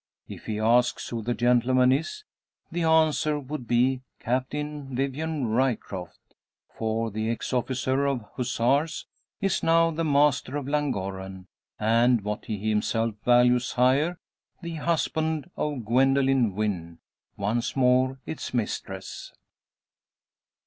If he ask who the gentleman is, the answer would be, Captain Vivian Ryecroft! For the ex officer of Hussars is now the master of Llangorren; and, what he himself values higher, the husband of Gwendoline Wynn, once more its mistress.